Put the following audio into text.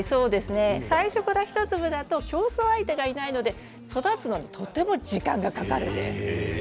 最初から１粒だと競争相手がいないので育つのにとても時間がかかる。